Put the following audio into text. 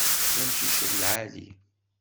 D amcic lɛali!